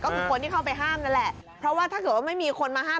ก็คือคนที่เข้าไปห้ามนั่นแหละเพราะว่าถ้าเกิดว่าไม่มีคนมาห้าม